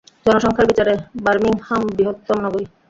জনসংখ্যার বিচারে বার্মিংহাম বৃহত্তম নগরী।